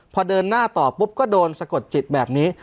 พอเดินหน้าต่อปุ๊บก็โดนสะกดจิตแบบนี้